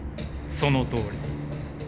そのとおり。